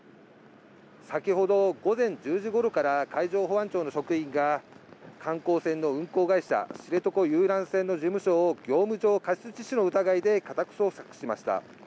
先ほど午前１０時頃から海上保安庁の職員が観光船の運航会社・知床遊覧船の事務所を業務上過失致死の疑いで家宅捜索しました。